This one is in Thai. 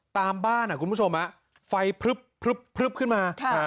ตามบ้านคุณผู้ชมไฟพลึบขึ้นมา